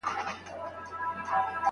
مړ سړی په ډګر کي ږدن او اتڼ خوښوي.